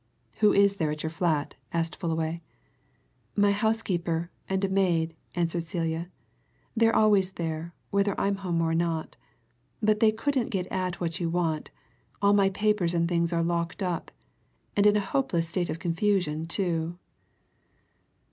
"Who is there at your flat?" asked Fullaway. "My housekeeper and a maid," answered Celia. "They're always there, whether I'm at home or not. But they couldn't get at what you want all my papers and things are locked up and in a hopeless state of confusion, too."